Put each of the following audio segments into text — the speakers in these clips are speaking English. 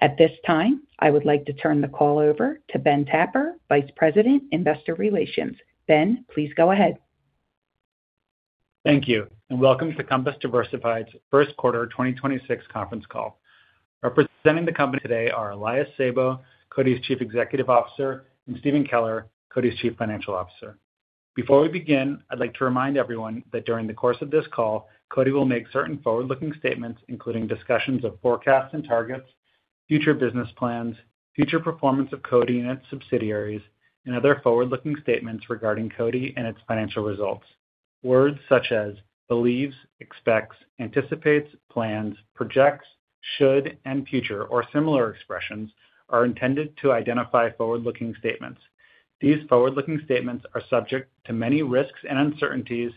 At this time, I would like to turn the call over to Ben Tapper, Vice President, Investor Relations. Ben, please go ahead. Thank you, and welcome to Compass Diversified's first quarter 2026 conference call. Representing the company today are Elias Sabo, CODI's Chief Executive Officer, and Stephen Keller, CODI's Chief Financial Officer. Before we begin, I'd like to remind everyone that during the course of this call, CODI will make certain forward-looking statements, including discussions of forecasts and targets, future business plans, future performance of CODI and its subsidiaries, and other forward-looking statements regarding CODI and its financial results. Words such as believes, expects, anticipates, plans, projects, should, and future or similar expressions are intended to identify forward-looking statements. These forward-looking statements are subject to many risks and uncertainties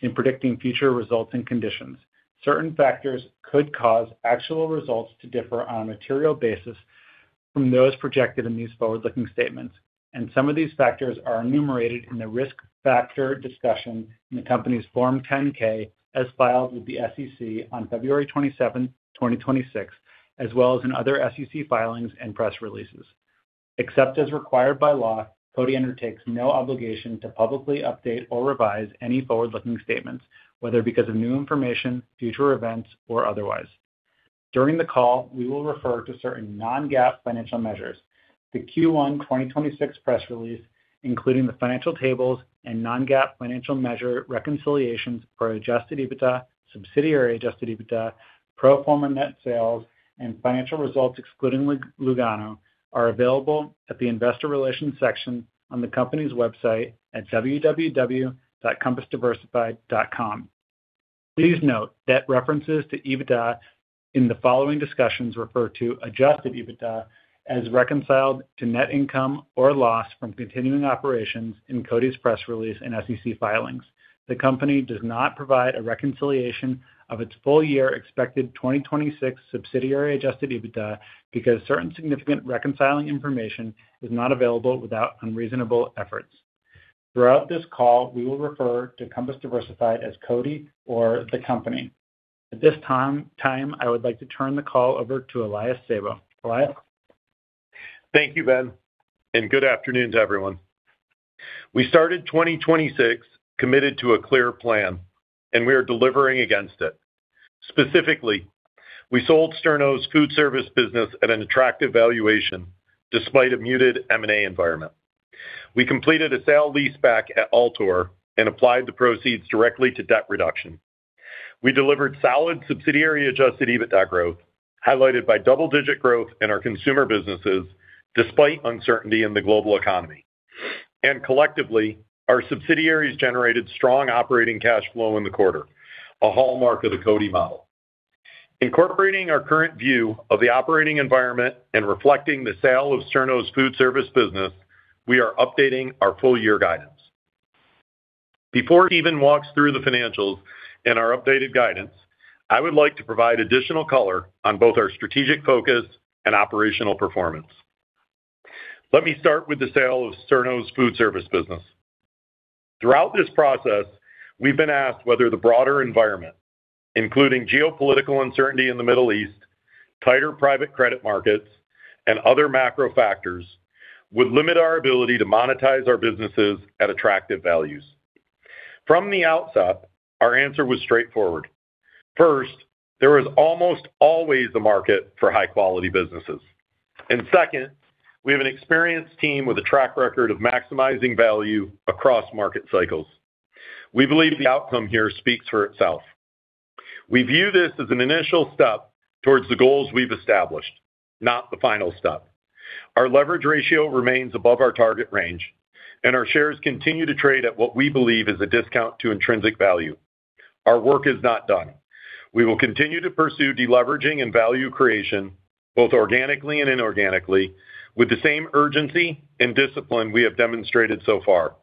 in predicting future results and conditions. Certain factors could cause actual results to differ on a material basis from those projected in these forward-looking statements. Some of these factors are enumerated in the risk factor discussion in the company's Form 10-K as filed with the SEC on February 27, 2026, as well as in other SEC filings and press releases. Except as required by law, CODI undertakes no obligation to publicly update or revise any forward-looking statements, whether because of new information, future events, or otherwise. During the call, we will refer to certain non-GAAP financial measures. The Q1 2026 press release, including the financial tables and non-GAAP financial measure reconciliations for adjusted EBITDA, subsidiary-adjusted EBITDA, pro forma net sales, and financial results excluding Lugano, are available at the Investor Relations section on the company's website at www.compassdiversified.com. Please note that references to EBITDA in the following discussions refer to adjusted EBITDA as reconciled to net income or loss from continuing operations in CODI's press release and SEC filings. The company does not provide a reconciliation of its full-year expected 2026 subsidiary adjusted EBITDA because certain significant reconciling information is not available without unreasonable efforts. Throughout this call, we will refer to Compass Diversified as CODI or the company. At this time, I would like to turn the call over to Elias Sabo. Elias. Thank you, Ben, and good afternoon to everyone. We started 2026 committed to a clear plan, and we are delivering against it. Specifically, we sold Sterno's food service business at an attractive valuation despite a muted M&A environment. We completed a sale leaseback at Altor and applied the proceeds directly to debt reduction. We delivered solid subsidiary-adjusted EBITDA growth, highlighted by double-digit growth in our consumer businesses despite uncertainty in the global economy. Collectively, our subsidiaries generated strong operating cash flow in the quarter, a hallmark of the CODI model. Incorporating our current view of the operating environment and reflecting the sale of Sterno's food service business, we are updating our full-year guidance. Before Stephen walks through the financials and our updated guidance, I would like to provide additional color on both our strategic focus and operational performance. Let me start with the sale of Sterno's food service business. Throughout this process, we've been asked whether the broader environment, including geopolitical uncertainty in the Middle East, tighter private credit markets, and other macro factors, would limit our ability to monetize our businesses at attractive values. From the outset, our answer was straightforward. First, there was almost always a market for high-quality businesses. Second, we have an experienced team with a track record of maximizing value across market cycles. We believe the outcome here speaks for itself. We view this as an initial step towards the goals we've established, not the final step. Our leverage ratio remains above our target range, and our shares continue to trade at what we believe is a discount to intrinsic value. Our work is not done. We will continue to pursue deleveraging and value creation, both organically and inorganically, with the same urgency and discipline we have demonstrated so far.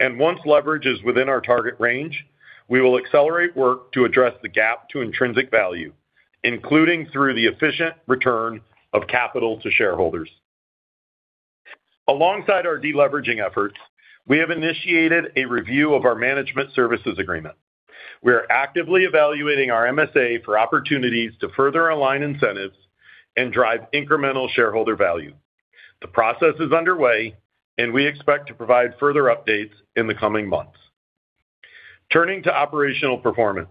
Once leverage is within our target range, we will accelerate work to address the gap to intrinsic value, including through the efficient return of capital to shareholders. Alongside our deleveraging efforts, we have initiated a review of our management services agreement. We are actively evaluating our MSA for opportunities to further align incentives and drive incremental shareholder value. The process is underway, and we expect to provide further updates in the coming months. Turning to operational performance.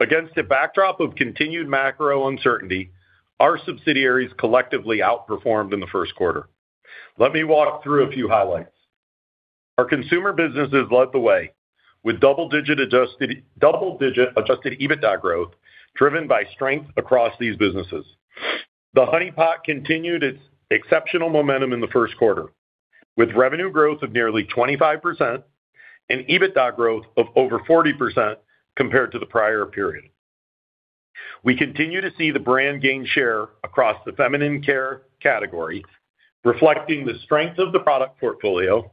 Against a backdrop of continued macro uncertainty, our subsidiaries collectively outperformed in the first quarter. Let me walk through a few highlights. Our consumer businesses led the way with double-digit adjusted EBITDA growth, driven by strength across these businesses. The Honey Pot continued its exceptional momentum in the first quarter, with revenue growth of nearly 25% and EBITDA growth of over 40% compared to the prior period. We continue to see the brand gain share across the feminine care category, reflecting the strength of the product portfolio,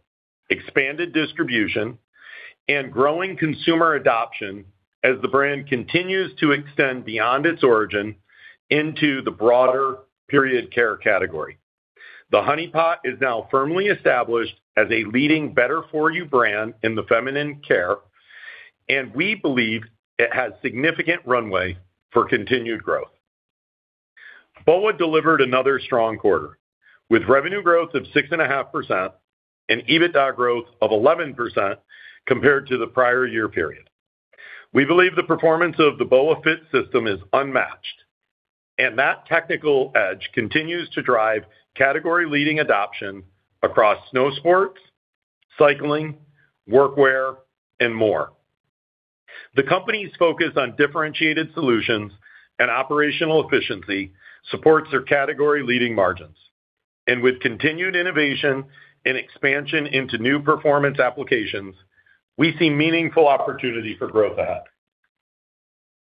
expanded distribution, and growing consumer adoption as the brand continues to extend beyond its origin into the broader period care category. The Honey Pot is now firmly established as a leading better-for-you brand in the feminine care, and we believe it has significant runway for continued growth. BOA delivered another strong quarter, with revenue growth of 6.5% and EBITDA growth of 11% compared to the prior year period. We believe the performance of the BOA Fit System is unmatched, and that technical edge continues to drive category-leading adoption across snow sports, cycling, workwear, and more. The company's focus on differentiated solutions and operational efficiency supports their category-leading margins. With continued innovation and expansion into new performance applications, we see meaningful opportunity for growth ahead.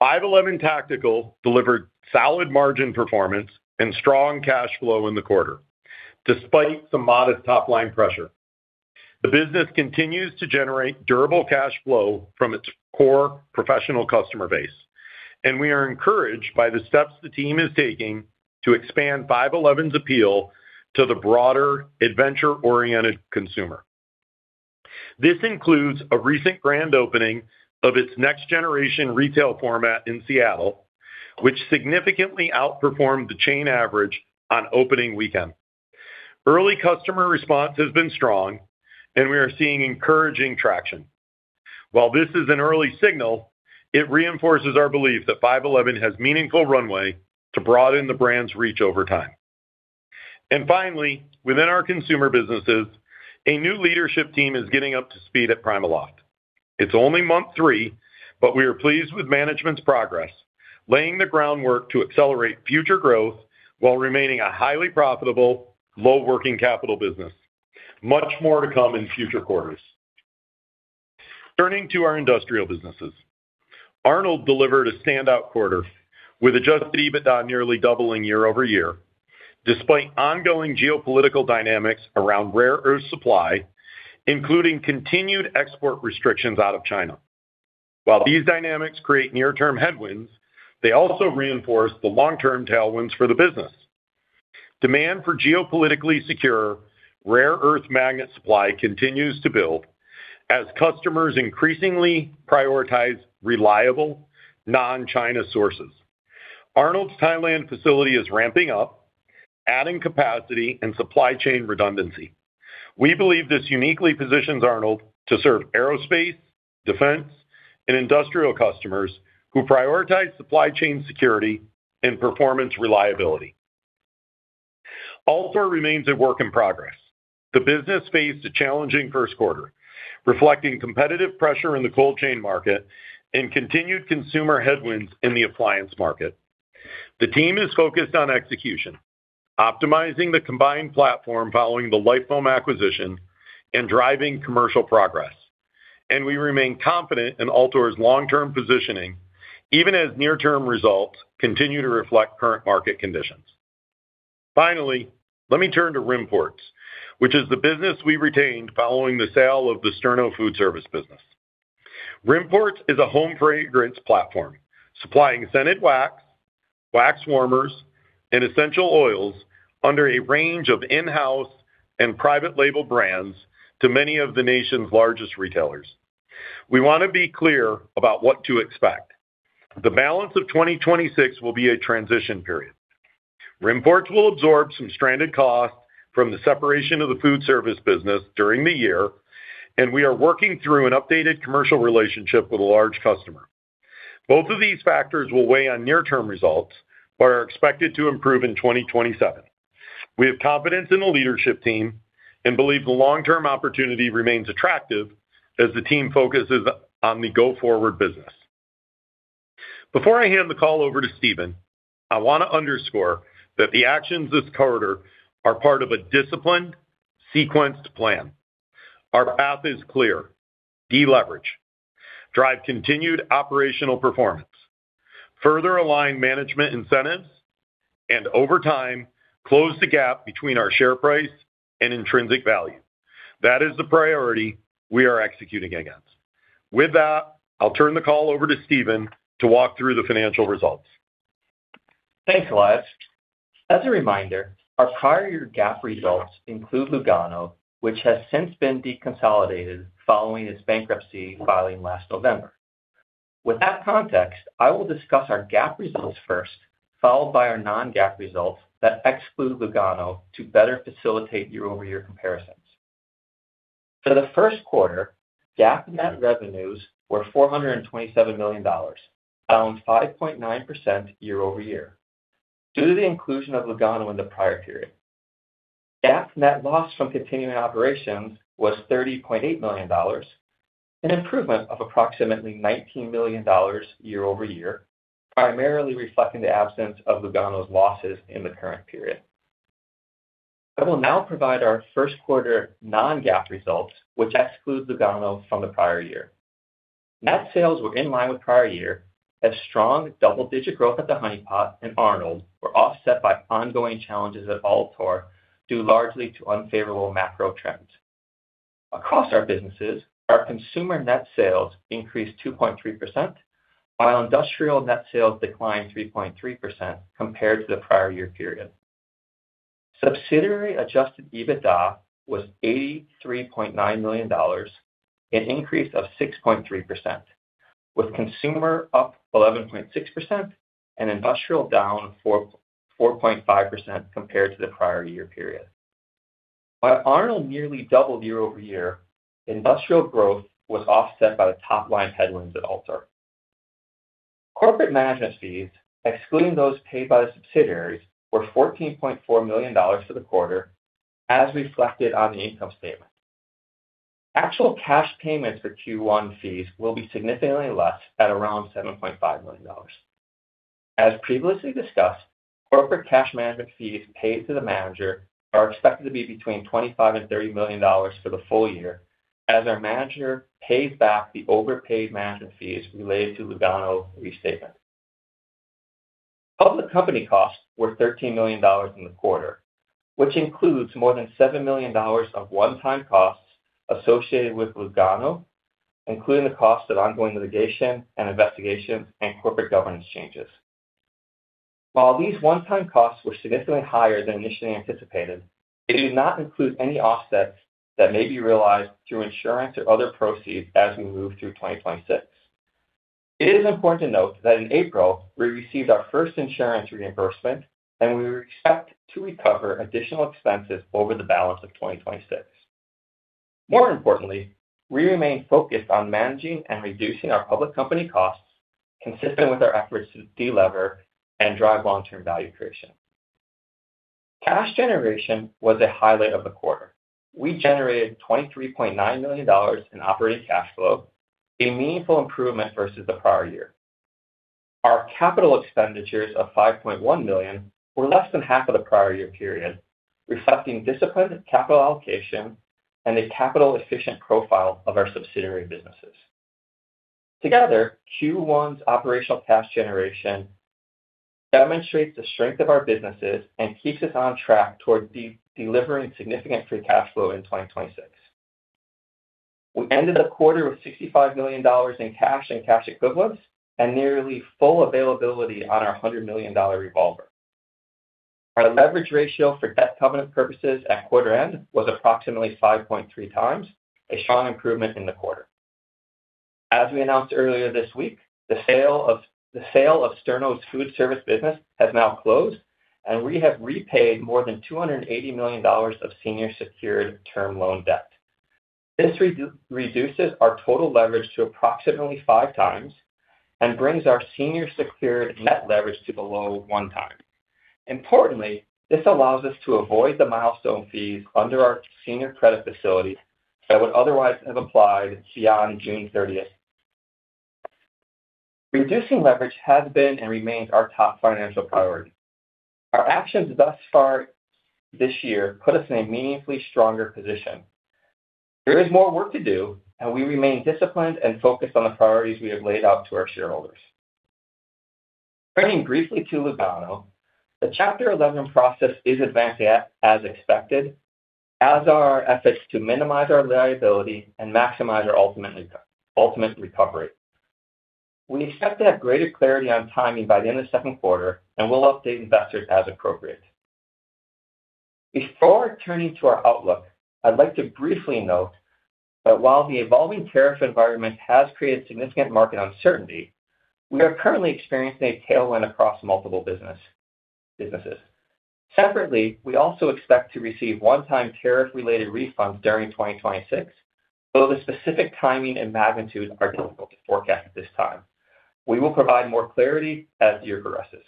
5.11 Tactical delivered solid margin performance and strong cash flow in the quarter, despite some modest top-line pressure. The business continues to generate durable cash flow from its core professional customer base, and we are encouraged by the steps the team is taking to expand 5.11's appeal to the broader adventure-oriented consumer. This includes a recent grand opening of its next-generation retail format in Seattle, which significantly outperformed the chain average on opening weekend. Early customer response has been strong, and we are seeing encouraging traction. While this is an early signal, it reinforces our belief that 5.11 has meaningful runway to broaden the brand's reach over time. Finally, within our consumer businesses, a new leadership team is getting up to speed at PrimaLoft. It's only month three, but we are pleased with management's progress, laying the groundwork to accelerate future growth while remaining a highly profitable, low working capital business. Much more to come in future quarters. Turning to our industrial businesses, Arnold delivered a standout quarter with adjusted EBITDA nearly doubling year-over-year, despite ongoing geopolitical dynamics around rare earth supply, including continued export restrictions out of China. While these dynamics create near-term headwinds, they also reinforce the long-term tailwinds for the business. Demand for geopolitically secure rare earth magnet supply continues to build as customers increasingly prioritize reliable, non-China sources. Arnold's Thailand facility is ramping up, adding capacity and supply chain redundancy. We believe this uniquely positions Arnold to serve aerospace, defense, and industrial customers who prioritize supply chain security and performance reliability. Altor remains a work in progress. The business faced a challenging first quarter, reflecting competitive pressure in the cold chain market and continued consumer headwinds in the appliance market. The team is focused on execution, optimizing the combined platform following the Lifoam acquisition and driving commercial progress. We remain confident in Altor's long-term positioning, even as near-term results continue to reflect current market conditions. Finally, let me turn to Rimports, which is the business we retained following the sale of the Sterno food service business. Rimports is a home fragrance platform, supplying scented wax warmers, and essential oils under a range of in-house and private label brands to many of the nation's largest retailers. We want to be clear about what to expect. The balance of 2026 will be a transition period. Rimports will absorb some stranded costs from the separation of the food service business during the year, and we are working through an updated commercial relationship with a large customer. Both of these factors will weigh on near-term results, but are expected to improve in 2027. We have confidence in the leadership team and believe the long-term opportunity remains attractive as the team focuses on the go-forward business. Before I hand the call over to Stephen, I want to underscore that the actions this quarter are part of a disciplined, sequenced plan. Our path is clear. De-leverage. Drive continued operational performance. Further align management incentives. Over time, close the gap between our share price and intrinsic value. That is the priority we are executing against. With that, I'll turn the call over to Stephen to walk through the financial results. Thanks, Elias. As a reminder, our prior year GAAP results include Lugano, which has since been deconsolidated following its bankruptcy filing last November. With that context, I will discuss our GAAP results first, followed by our non-GAAP results that exclude Lugano to better facilitate year-over-year comparisons. For the first quarter, GAAP net revenues were $427 million, down 5.9% year-over-year due to the inclusion of Lugano in the prior period. GAAP net loss from continuing operations was $30.8 million, an improvement of approximately $19 million year-over-year, primarily reflecting the absence of Lugano's losses in the current period. I will now provide our first quarter non-GAAP results, which excludes Lugano from the prior year. Net sales were in line with prior year as strong double-digit growth at The Honey Pot and Arnold were offset by ongoing challenges at Altor, due largely to unfavorable macro trends. Across our businesses, our consumer net sales increased 2.3%, while industrial net sales declined 3.3% compared to the prior year period. Subsidiary adjusted EBITDA was $83.9 million, an increase of 6.3%, with consumer up 11.6% and industrial down 4.5% compared to the prior year period. While Arnold nearly doubled year-over-year, industrial growth was offset by the top-line headwinds at Altor. Corporate management fees, excluding those paid by the subsidiaries, were $14.4 million for the quarter, as reflected on the income statement. Actual cash payments for Q1 fees will be significantly less at around $7.5 million. As previously discussed, corporate cash management fees paid to the manager are expected to be between $25 million and $30 million for the full-year as our manager pays back the overpaid management fees related to Lugano restatement. Public company costs were $13 million in the quarter, which includes more than $7 million of one-time costs associated with Lugano, including the cost of ongoing litigation and investigation and corporate governance changes. While these one-time costs were significantly higher than initially anticipated, they do not include any offsets that may be realized through insurance or other proceeds as we move through 2026. It is important to note that in April, we received our first insurance reimbursement, and we expect to recover additional expenses over the balance of 2026. More importantly, we remain focused on managing and reducing our public company costs consistent with our efforts to de-lever and drive long-term value creation. Cash generation was a highlight of the quarter. We generated $23.9 million in operating cash flow, a meaningful improvement versus the prior year. Our capital expenditures of $5.1 million were less than half of the prior year period, reflecting disciplined capital allocation and a capital-efficient profile of our subsidiary businesses. Together, Q1's operational cash generation demonstrates the strength of our businesses and keeps us on track toward delivering significant free cash flow in 2026. We ended the quarter with $65 million in cash and cash equivalents and nearly full availability on our $100 million revolver. Our leverage ratio for debt covenant purposes at quarter end was approximately 5.3x, a strong improvement in the quarter. As we announced earlier this week, the sale of Sterno's food service business has now closed, and we have repaid more than $280 million of senior secured term loan debt. This reduces our total leverage to approximately 5x and brings our senior secured net leverage to below one time. Importantly, this allows us to avoid the milestone fees under our senior credit facility that would otherwise have applied beyond June 30th. Reducing leverage has been and remains our top financial priority. Our actions thus far this year put us in a meaningfully stronger position. There is more work to do, and we remain disciplined and focused on the priorities we have laid out to our shareholders. Turning briefly to Lugano, the Chapter 11 process is advancing as expected, as are our efforts to minimize our liability and maximize our ultimate recovery. We expect to have greater clarity on timing by the end of the second quarter, and we'll update investors as appropriate. Before turning to our outlook, I'd like to briefly note that while the evolving tariff environment has created significant market uncertainty, we are currently experiencing a tailwind across multiple businesses. Separately, we also expect to receive one-time tariff-related refunds during 2026, though the specific timing and magnitude are difficult to forecast at this time. We will provide more clarity as the year progresses.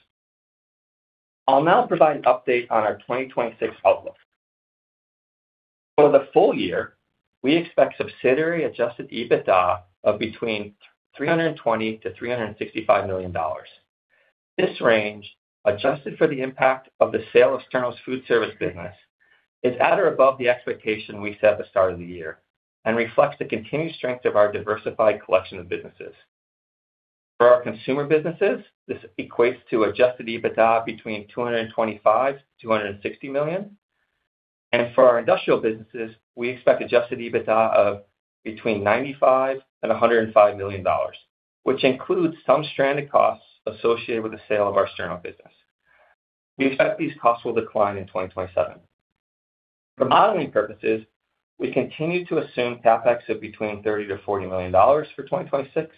I'll now provide an update on our 2026 outlook. For the full-year, we expect subsidiary adjusted EBITDA of between $320 million-$365 million. This range, adjusted for the impact of the sale of Sterno's food service business, is at or above the expectation we set at the start of the year and reflects the continued strength of our diversified collection of businesses. For our consumer businesses, this equates to adjusted EBITDA between $225 million-$260 million. For our industrial businesses, we expect adjusted EBITDA of between $95 million and $105 million, which includes some stranded costs associated with the sale of our Sterno business. We expect these costs will decline in 2027. For modeling purposes, we continue to assume CapEx of between $30 million-$40 million for 2026,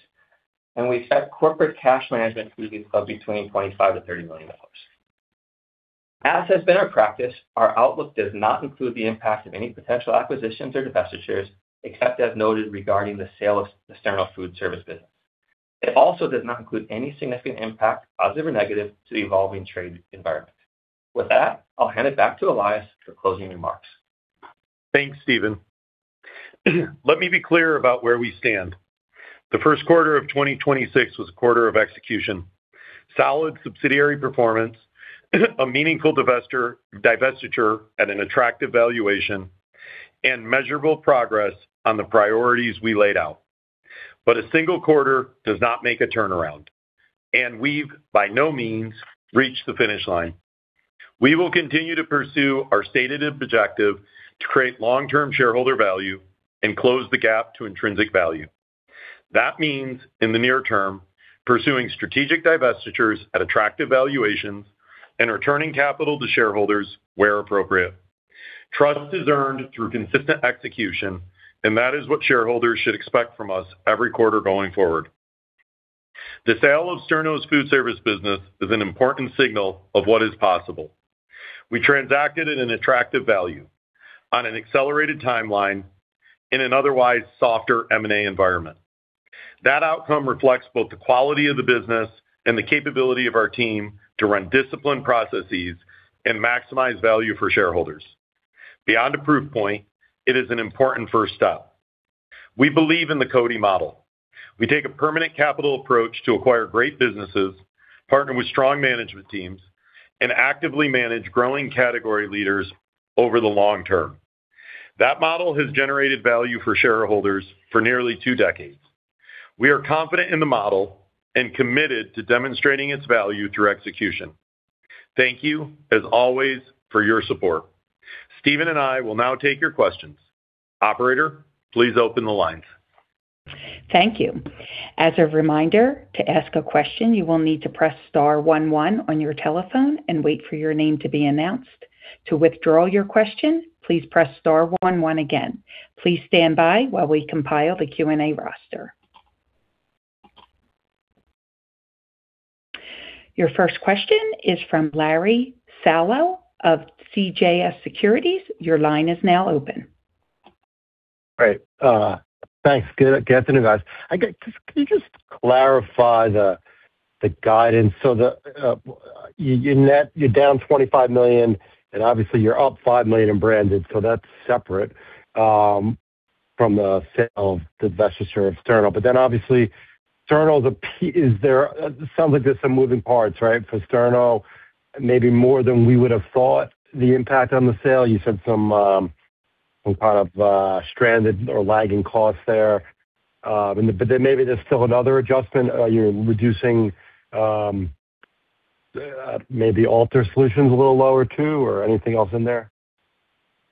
and we expect corporate cash management fees of between $25 million-$30 million. As has been our practice, our outlook does not include the impact of any potential acquisitions or divestitures, except as noted regarding the sale of the Sterno food service business. It also does not include any significant impact, positive or negative, to the evolving trade environment. With that, I'll hand it back to Elias for closing remarks. Thanks, Stephen. Let me be clear about where we stand. The first quarter of 2026 was a quarter of execution. Solid subsidiary performance, a meaningful divestiture at an attractive valuation and measurable progress on the priorities we laid out. A single quarter does not make a turnaround, and we've, by no means, reached the finish line. We will continue to pursue our stated objective to create long-term shareholder value and close the gap to intrinsic value. That means, in the near term, pursuing strategic divestitures at attractive valuations and returning capital to shareholders where appropriate. Trust is earned through consistent execution, and that is what shareholders should expect from us every quarter going forward. The sale of Sterno's food service business is an important signal of what is possible. We transacted at an attractive value on an accelerated timeline in an otherwise softer M&A environment. That outcome reflects both the quality of the business and the capability of our team to run disciplined processes and maximize value for shareholders. Beyond a proof point, it is an important first step. We believe in the CODI model. We take a permanent capital approach to acquire great businesses, partner with strong management teams, and actively manage growing category leaders over the long term. That model has generated value for shareholders for nearly two decades. We are confident in the model and committed to demonstrating its value through execution. Thank you as always for your support. Stephen and I will now take your questions. Operator, please open the lines. Thank you. Your first question is from Larry Solow of CJS Securities. Your line is now open. Great. Thanks. Good afternoon, guys. Can you just clarify the guidance? Your net, you're down $25 million, and obviously you're up $5 million in branded, that's separate from the sale, the divestiture of Sterno. Obviously Sterno, sounds like there's some moving parts, right? For Sterno, maybe more than we would have thought the impact on the sale. You said some kind of stranded or lagging costs there. Maybe there's still another adjustment. Are you reducing, maybe Altor Solutions a little lower too or anything else in there?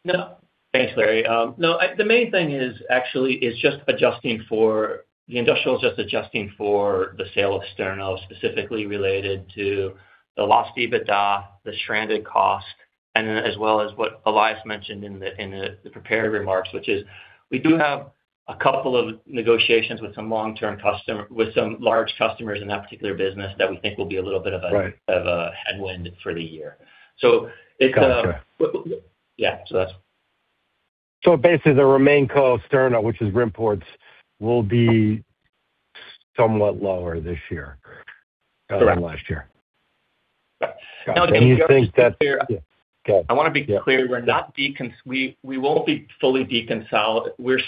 No. Thanks, Larry. No, the main thing is actually just adjusting for the industrial is just adjusting for the sale of Sterno, specifically related to the lost EBITDA, the stranded cost, and then as well as what Elias mentioned in the prepared remarks, which is we do have a couple of negotiations with some large customers in that particular business that we think will be a little bit- Right. Of a headwind for the year. Gotcha. Yeah. That's it. Basically the remain cost of Sterno, which is Rimports, will be somewhat lower this year. Correct. Than last year. Yes. And you think that- I wanna be clear. Yeah. Go ahead. I want to be clear, we're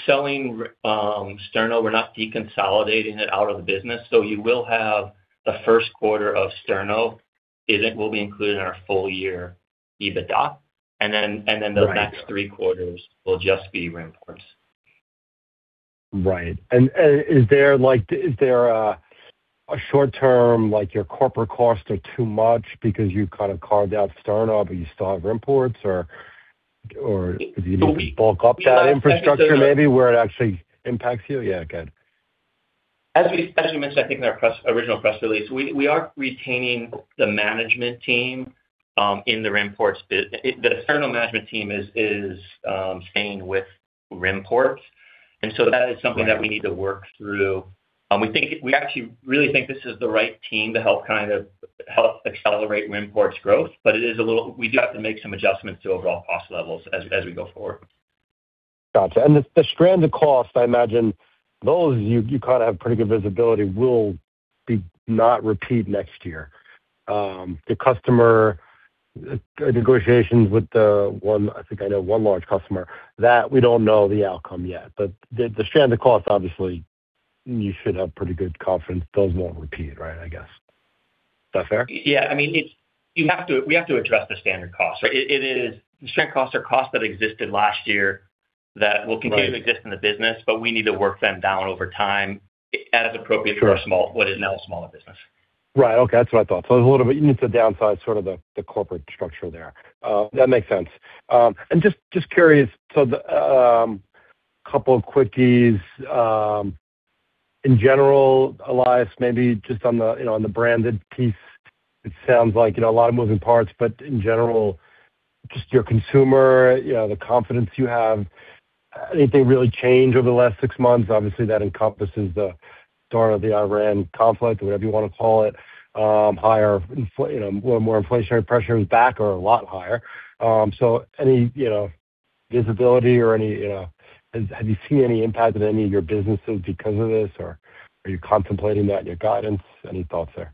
selling Sterno, we're not deconsolidating it out of the business. You will have the first quarter of Sterno will be included in our full-year EBITDA. Then the next three quarters will just be Rimports. Right. Is there like, is there a short term, like your corporate costs are too much because you kind of carved out Sterno, but you still have Rimports or did you bulk up that infrastructure maybe where it actually impacts you? Yeah, go ahead. As we mentioned, I think in our original press release, we are retaining the management team in Rimports. The Sterno management team is staying with Rimports. That is something that we need to work through. We actually really think this is the right team to help accelerate Rimports growth, but it is a little. We do have to make some adjustments to overall cost levels as we go forward. Gotcha. The stranded costs, I imagine those you kind of have pretty good visibility will be not repeat next year. The customer negotiations with the one, I think I know one large customer, that we don't know the outcome yet. The stranded costs, obviously you should have pretty good confidence those won't repeat, right? I guess. Is that fair? Yeah. I mean, we have to address the stranded costs. It is Stranded costs are costs that existed last year that will continue to exist in the business. We need to work them down over time as appropriate for what is now a smaller business. Right. Okay. That's what I thought. It's a little bit you need to downsize sort of the corporate structure there. That makes sense. Just curious, so the couple quickies, in general, Elias, maybe just on the, you know, on the branded piece, it sounds like, you know, a lot of moving parts, but in general, just your consumer, you know, the confidence you have, anything really change over the last six months? Obviously, that encompasses the start of the Iran conflict or whatever you wanna call it, higher inflationary pressures back or a lot higher. Any, have you seen any impact in any of your businesses because of this or are you contemplating that in your guidance? Any thoughts there?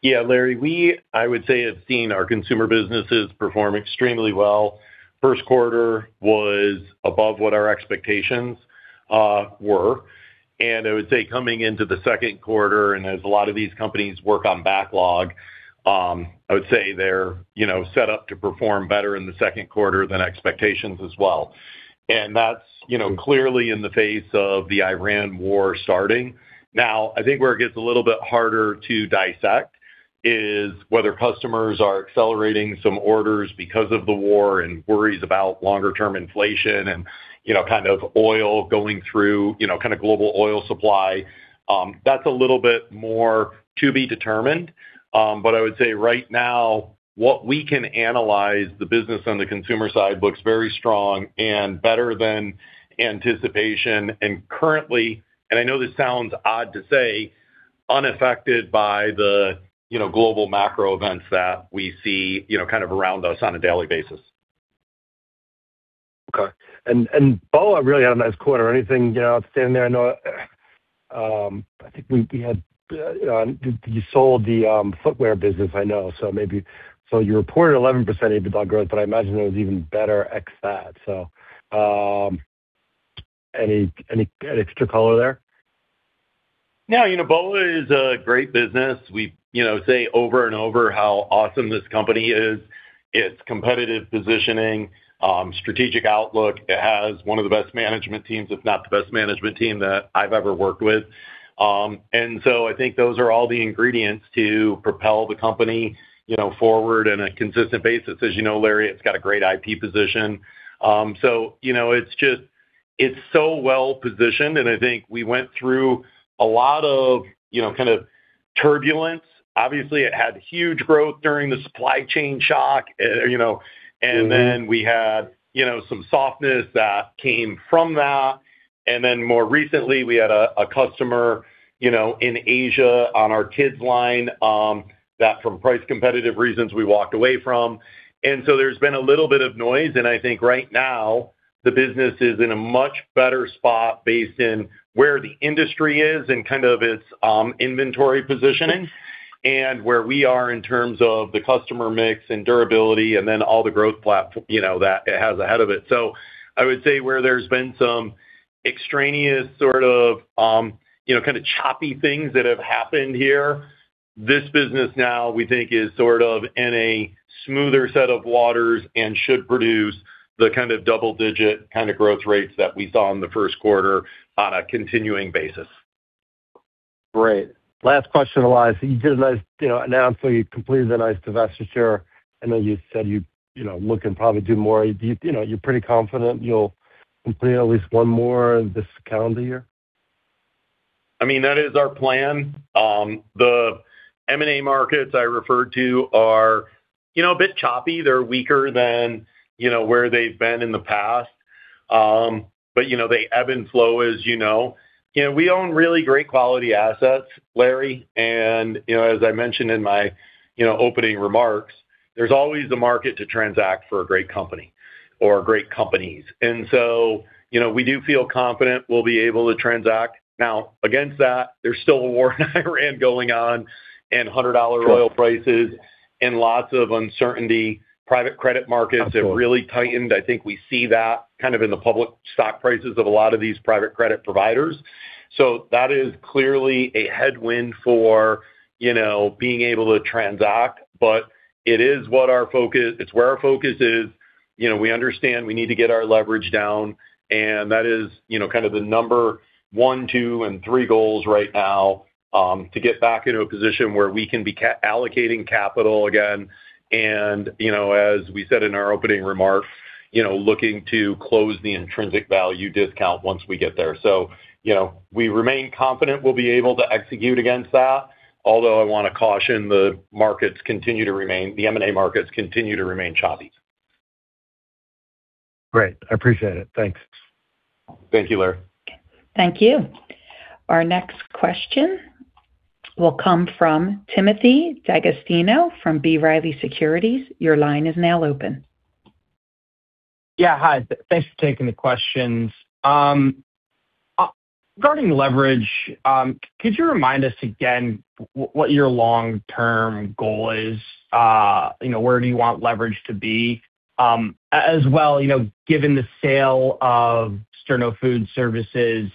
Yeah, Larry, we, I would say, have seen our consumer businesses perform extremely well. First quarter was above what our expectations were. I would say coming into the second quarter, as a lot of these companies work on backlog, I would say they're, you know, set up to perform better in the second quarter than expectations as well. That's, you know, clearly in the face of the Iran war starting. I think where it gets a little bit harder to dissect is whether customers are accelerating some orders because of the war and worries about longer-term inflation and, you know, kind of oil going through, you know, kind of global oil supply. That's a little bit more to be determined. I would say right now, what we can analyze the business on the consumer side looks very strong and better than anticipation. Currently, and I know this sounds odd to say, unaffected by the, you know, global macro events that we see, you know, kind of around us on a daily basis. Okay. BOA really had a nice quarter. Anything, you know, outstanding there? I know you sold the footwear business, I know, so maybe you reported 11% EBITDA growth, but I imagine it was even better ex that. Any extra color there? You know, BOA is a great business. We, you know, say over and over how awesome this company is. Its competitive positioning, strategic outlook. It has one of the best management teams, if not the best management team that I've ever worked with. I think those are all the ingredients to propel the company, you know, forward in a consistent basis. As you know, Larry, it's got a great IP position. You know, it's just, it's so well-positioned, and I think we went through a lot of, you know, kind of turbulence. Obviously, it had huge growth during the supply chain shock, you know. Then we had, you know, some softness that came from that. Then more recently, we had a customer, you know, in Asia on our kids line that from price competitive reasons we walked away from. So there's been a little bit of noise. I think right now the business is in a much better spot based in where the industry is and kind of its inventory positioning and where we are in terms of the customer mix and durability and then all the growth, you know, that it has ahead of it. I would say where there's been some extraneous sort of, you know, kind of choppy things that have happened here, this business now we think is sort of in a smoother set of waters and should produce the kind of double-digit kinda growth rates that we saw in the first quarter on a continuing basis. Great. Last question, Elias. You did a nice, you know, announcement. You completed a nice divestiture, and then you said you know, look and probably do more. You know, you're pretty confident you'll complete at least one more this calendar year? I mean, that is our plan. The M&A markets I referred to are, you know, a bit choppy. They're weaker than, you know, where they've been in the past. You know, they ebb and flow, as you know. You know, we own really great quality assets, Larry, as I mentioned in my, you know, opening remarks, there's always the market to transact for a great company or great companies. You know, we do feel confident we'll be able to transact. Now, against that, there's still a war in Iran going on and $100 oil prices and lots of uncertainty. Private credit markets- Sure. Have really tightened. I think we see that kind of in the public stock prices of a lot of these private credit providers. That is clearly a headwind for, you know, being able to transact. It's where our focus is. You know, we understand we need to get our leverage down, and that is, you know, kind of the number one, two, and three goals right now, to get back into a position where we can be allocating capital again, and, you know, as we said in our opening remark, you know, looking to close the intrinsic value discount once we get there. You know, we remain confident we'll be able to execute against that. Although, I wanna caution the M&A markets continue to remain choppy. Great. I appreciate it. Thanks. Thank you, Larry. Thank you. Our next question will come from Timothy D'Agostino from B. Riley Securities. Your line is now open. Yeah, hi. Thanks for taking the questions. Regarding leverage, could you remind us again what your long-term goal is? You know, where do you want leverage to be? As well, you know, given the sale of Sterno Food Services,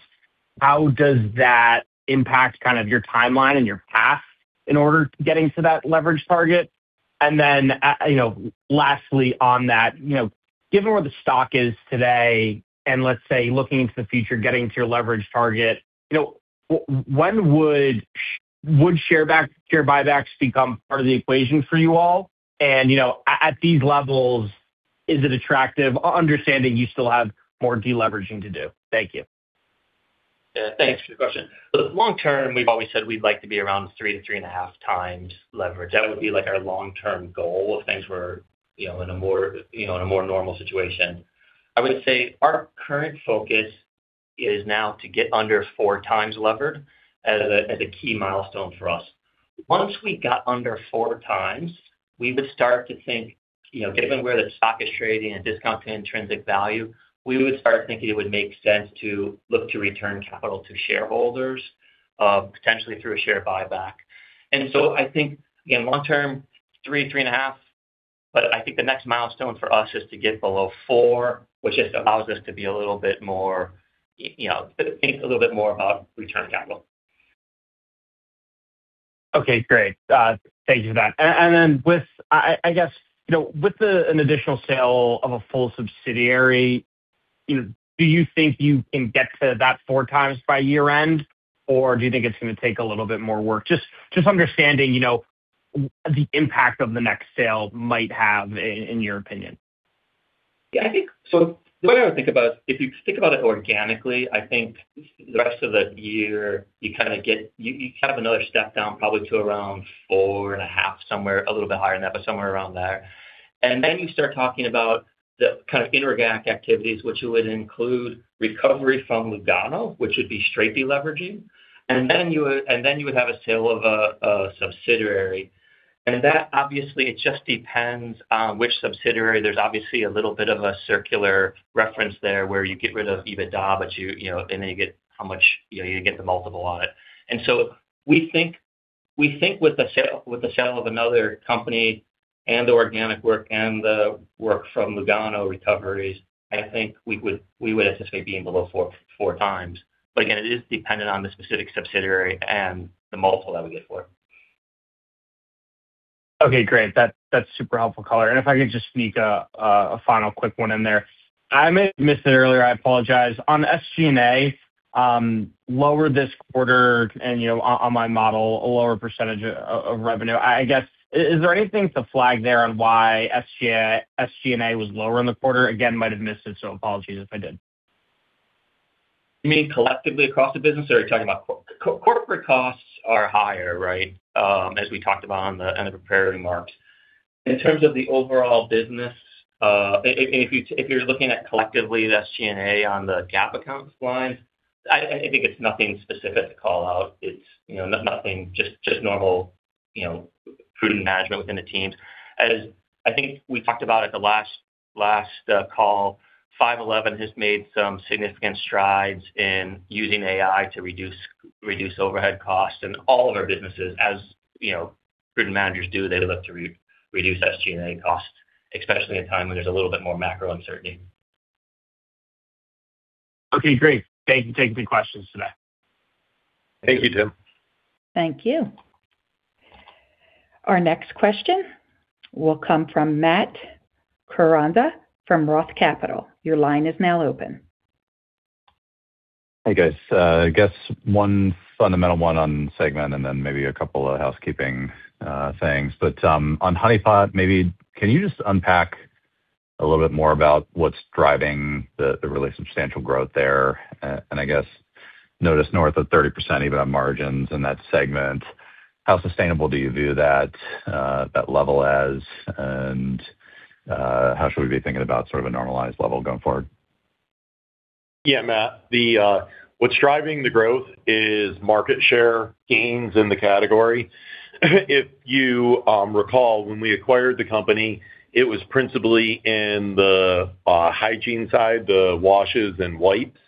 how does that impact kind of your timeline and your path in order getting to that leverage target? Lastly on that, you know, given where the stock is today and let's say looking into the future, getting to your leverage target, you know, when would share buybacks become part of the equation for you all? You know, at these levels, is it attractive? Understanding you still have more deleveraging to do. Thank you. Yeah. Thanks for the question. Long term, we've always said we'd like to be around 3x-3.5x leverage. That would be like our long-term goal if things were, you know, in a more, you know, in a more normal situation. I would say our current focus is now to get under 4 times levered as a key milestone for us. Once we got under 4x, we would start to think, you know, given where the stock is trading and discount to intrinsic value, we would start thinking it would make sense to look to return capital to shareholders, potentially through a share buyback. I think, again, long term, 3.5x. I think the next milestone for us is to get below 4x, which just allows us to be a little bit more, you know, think a little bit more about return capital. Okay, great. Thank you for that. Then with, I guess, you know, with the additional sale of a full subsidiary, you know, do you think you can get to that 4x by year-end, or do you think it's gonna take a little bit more work? Just understanding, you know, the impact of the next sale might have in your opinion. The way I would think about it, if you think about it organically, I think the rest of the year, you kind of get, you have another step down, probably to around four and a half somewhere, a little bit higher than that, but somewhere around there. Then you start talking about the kind of inorganic activities, which would include recovery from Lugano, which would be straight deleveraging. Then you would, and then you would have a sale of a subsidiary. That obviously just depends on which subsidiary. There's obviously a little bit of a circular reference there where you get rid of EBITDA, but you know, then you get how much, you know, you get the multiple on it. We think with the sale of another company and the organic work and the work from Lugano recoveries, I think we would essentially be below 4x. It is dependent on the specific subsidiary and the multiple that we get for it. Okay, great. That's super helpful color. If I could just sneak a final quick one in there. I may have missed it earlier, I apologize. On SG&A, lower this quarter and, you know, on my model, a lower percentage of revenue. I guess, is there anything to flag there on why SG&A was lower in the quarter? Again, might have missed it, apologies if I did. You mean collectively across the business, or are you talking about corporate costs are higher, right? As we talked about in the prepared remarks. In terms of the overall business, if you're looking at collectively the SG&A on the GAAP accounts line, I think it's nothing specific to call out. It's, you know, nothing, just normal, you know, prudent management within the teams. As I think we talked about at the last call, 5.11 has made some significant strides in using AI to reduce overhead costs in all of our businesses. As, you know, prudent managers do, they look to reduce SG&A costs, especially in a time when there's a little bit more macro uncertainty. Okay, great. Thank you for taking the questions today. Thank you, Tim. Thank you. Our next question will come from Matt Koranda from ROTH Capital. Your line is now open. Hey, guys. I guess one fundamental one on segment and then maybe a couple of housekeeping things. On Honey Pot, maybe can you just unpack a little bit more about what's driving the really substantial growth there? I guess notice north of 30% even on margins in that segment. How sustainable do you view that that level as, and how should we be thinking about sort of a normalized level going forward? Yeah, Matt, what's driving the growth is market share gains in the category. If you recall, when we acquired the company, it was principally in the hygiene side, the washes and wipes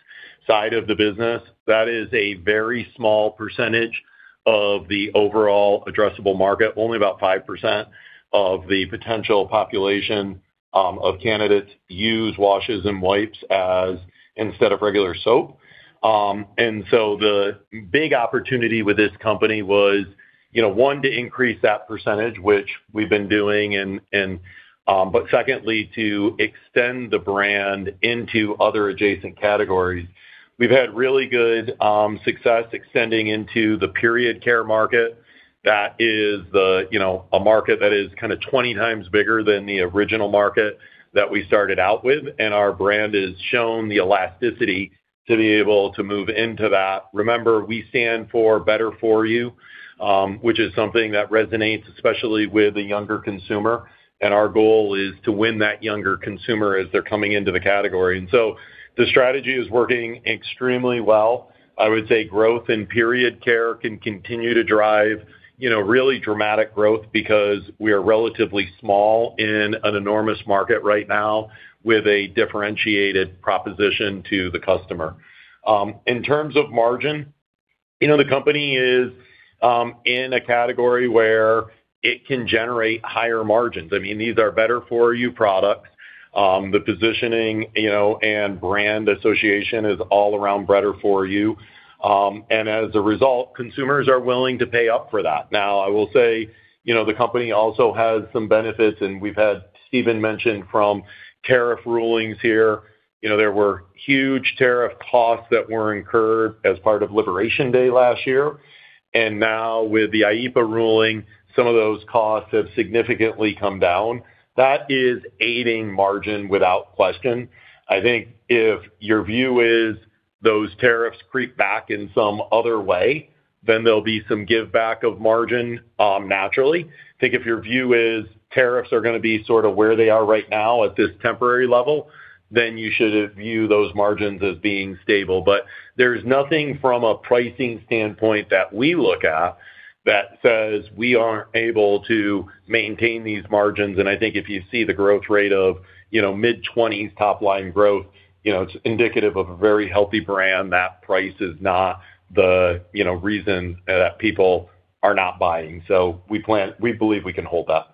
side of the business. That is a very small percentage of the overall addressable market. Only about 5% of the potential population of candidates use washes and wipes as instead of regular soap. The big opportunity with this company was, you know, one, to increase that percentage, which we've been doing and, secondly, to extend the brand into other adjacent categories. We've had really good success extending into the period care market. That is the, you know, a market that is kinda 20 times bigger than the original market that we started out with, and our brand has shown the elasticity to be able to move into that. Remember, we stand for better for you, which is something that resonates, especially with the younger consumer, and our goal is to win that younger consumer as they're coming into the category. The strategy is working extremely well. I would say growth in period care can continue to drive, you know, really dramatic growth because we are relatively small in an enormous market right now with a differentiated proposition to the customer. In terms of margin, you know, the company is in a category where it can generate higher margins. I mean, these are better for you products. The positioning, you know, and brand association is all around better for you. As a result, consumers are willing to pay up for that. Now, I will say, you know, the company also has some benefits, and we've had Stephen mention from tariff rulings here. You know, there were huge tariff costs that were incurred as part of Liberation Day last year. Now with the IEPA ruling, some of those costs have significantly come down. That is aiding margin without question. I think if your view is those tariffs creep back in some other way. There'll be some give back of margin, naturally. I think if your view is tariffs are gonna be sort of where they are right now at this temporary level, then you should view those margins as being stable. There's nothing from a pricing standpoint that we look at that says we aren't able to maintain these margins. I think if you see the growth rate of, you know, mid-20s top line growth, you know, it's indicative of a very healthy brand. That price is not the, you know, reason that people are not buying. We believe we can hold that.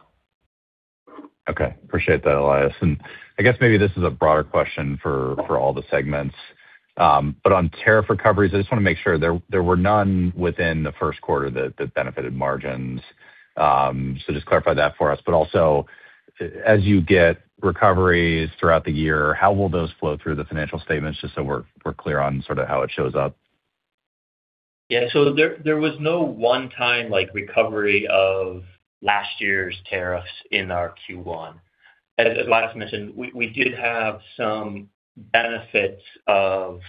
Okay. Appreciate that, Elias. I guess maybe this is a broader question for all the segments. On tariff recoveries, I just wanna make sure. There were none within the first quarter that benefited margins. Just clarify that for us. Also, as you get recoveries throughout the year, how will those flow through the financial statements, just so we're clear on sort of how it shows up? There was no one-time like recovery of last year's tariffs in our Q1. As Elias mentioned, we did have some benefits of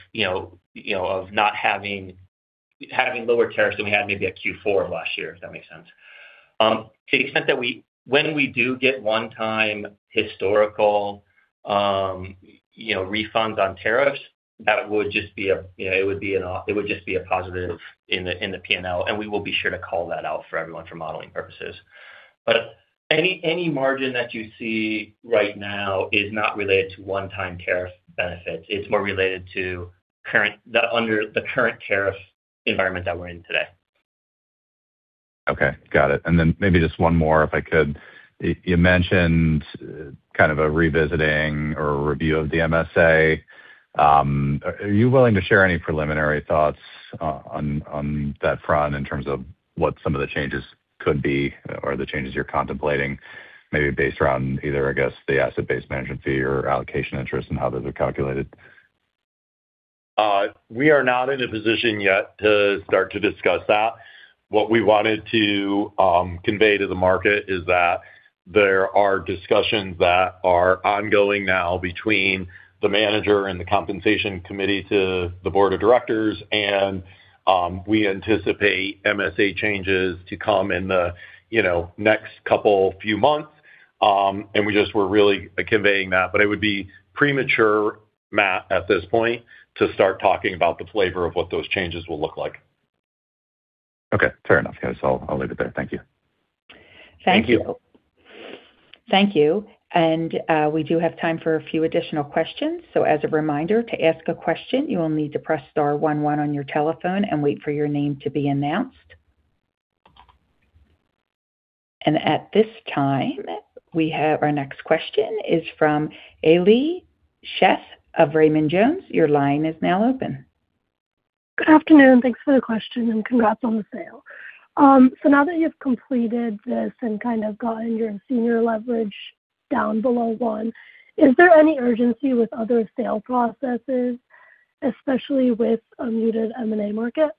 having lower tariffs than we had maybe at Q4 of last year, if that makes sense. To the extent that when we do get one-time historical refunds on tariffs, that would just be a positive in the P&L, and we will be sure to call that out for everyone for modeling purposes. Any margin that you see right now is not related to one-time tariff benefits. It's more related to the current tariff environment that we're in today. Okay. Got it. Maybe just one more, if I could. You mentioned kind of a revisiting or a review of the MSA. Are you willing to share any preliminary thoughts on that front in terms of what some of the changes could be or the changes you're contemplating, maybe based around either, I guess, the asset-based management fee or allocation interest and how those are calculated? We are not in a position yet to start to discuss that. What we wanted to convey to the market is that there are discussions that are ongoing now between the manager and the compensation committee to the Board of Directors. We anticipate MSA changes to come in the, you know, next couple few months. We just were really conveying that. It would be premature, Matt, at this point to start talking about the flavor of what those changes will look like. Okay. Fair enough. Yeah, I'll leave it there. Thank you. Thank you. Thank you. We do have time for a few additional questions. As a reminder, to ask a question, you will need to press star one one on your telephone and wait for your name to be announced. At this time, we have our next question is from Haley Scheff of Raymond James. Your line is now open. Good afternoon. Thanks for the question, and congrats on the sale. Now that you've completed this and kind of gotten your senior leverage down below 1x, is there any urgency with other sale processes, especially with a muted M&A market?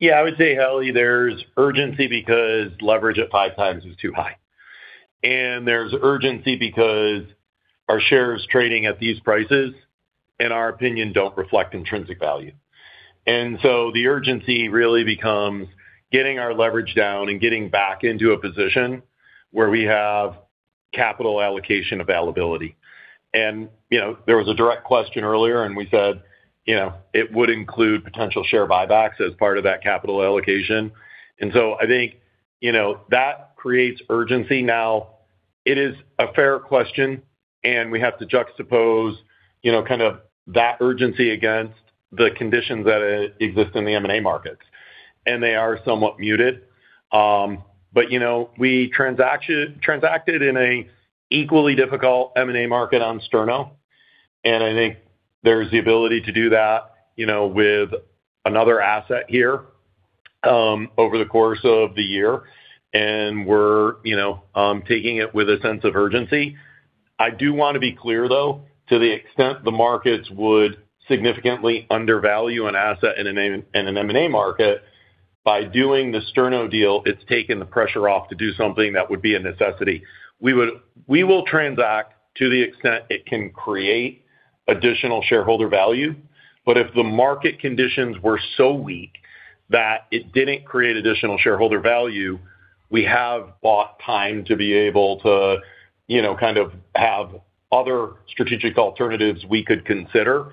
Yeah. I would say, Haley, there's urgency because leverage at 5x is too high. There's urgency because our shares trading at these prices, in our opinion, don't reflect intrinsic value. The urgency really becomes getting our leverage down and getting back into a position where we have capital allocation availability. You know, there was a direct question earlier, and we said, you know, it would include potential share buybacks as part of that capital allocation. I think, you know, that creates urgency now. It is a fair question, and we have to juxtapose, you know, kind of that urgency against the conditions that exist in the M&A markets, and they are somewhat muted. You know, we transacted in an equally difficult M&A market on Sterno, and I think there's the ability to do that, you know, with another asset here over the course of the year. We're, you know, taking it with a sense of urgency. I do wanna be clear, though, to the extent the markets would significantly undervalue an asset in an M&A market, by doing the Sterno deal, it's taken the pressure off to do something that would be a necessity. We will transact to the extent it can create additional shareholder value. If the market conditions were so weak that it didn't create additional shareholder value, we have bought time to be able to, you know, kind of have other strategic alternatives we could consider.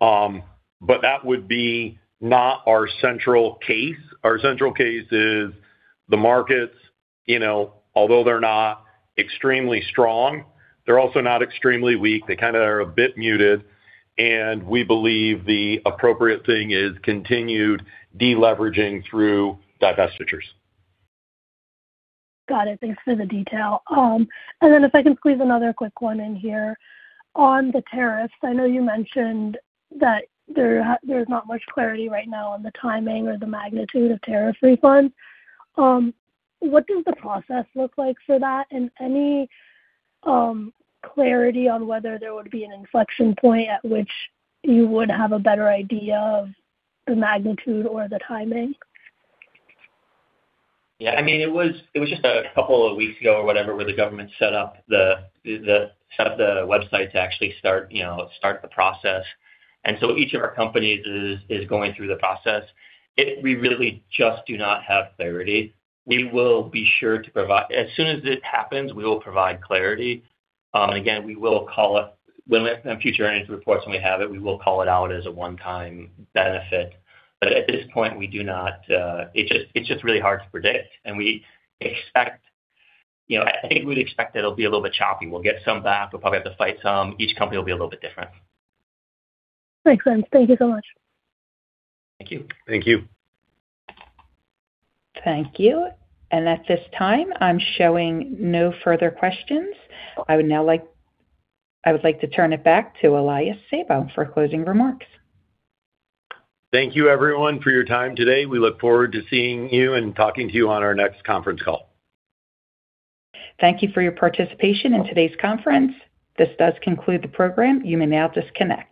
That would be not our central case. Our central case is the markets, you know, although they're not extremely strong, they're also not extremely weak. They kinda are a bit muted. We believe the appropriate thing is continued deleveraging through divestitures. Got it. Thanks for the detail. Then if I can squeeze another quick one in here. On the tariffs, I know you mentioned that there's not much clarity right now on the timing or the magnitude of tariff refunds. What does the process look like for that, and any clarity on whether there would be an inflection point at which you would have a better idea of the magnitude or the timing? I mean, it was just a couple of weeks ago or whatever, where the government set up the website to actually start, you know, start the process. Each of our companies is going through the process. We really just do not have clarity. We will be sure as soon as it happens, we will provide clarity. Again, we will call it when the future earnings reports when we have it, we will call it out as a one-time benefit. At this point, we do not. It's just really hard to predict, and we expect, you know, I think we'd expect that it'll be a little bit choppy. We'll get some back. We'll probably have to fight some. Each company will be a little bit different. Makes sense. Thank you so much. Thank you. Thank you. Thank you. At this time, I'm showing no further questions. I would like to turn it back to Elias Sabo for closing remarks. Thank you everyone for your time today. We look forward to seeing you and talking to you on our next conference call. Thank you for your participation in today's conference. This does conclude the program. You may now disconnect.